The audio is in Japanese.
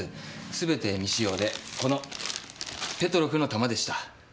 すべて未使用でこのペトロフの弾でした。